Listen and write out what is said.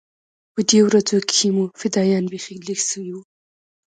په دې ورځو کښې مو فدايان بيخي لږ سوي وو.